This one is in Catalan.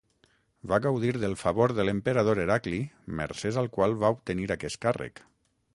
Va gaudir del favor de l'emperador Heracli mercès al qual va obtenir aquest càrrec.